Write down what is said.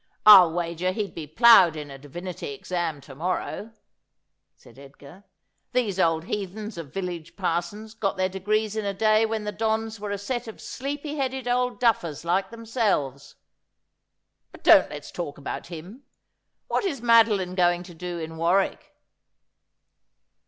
' I'll wager he'd be ploughed in a divinity exam, to morrow,' said Edgar. ' These old heathens of village parsons got their degrees in a day when the dons were a set of sleepy headed old duffers like themselves. But don't let's talk about him. What is Madoline going to do in Warwick